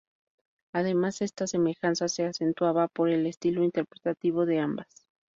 Además, esta semejanza se acentuaba por el estilo interpretativo de ambas.